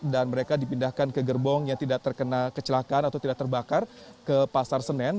dan mereka dipindahkan ke gerbong yang tidak terkena kecelakaan atau tidak terbakar ke pasar senen